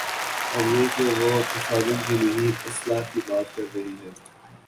اوریہ کہ وہ تصادم کی نہیں، اصلاح کی بات کررہی ہے۔